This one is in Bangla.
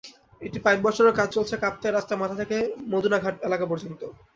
এটির পাইপ বসানোর কাজ চলছে কাপ্তাই রাস্তার মাথা থেকে মদুনাঘাট এলাকা পর্যন্ত।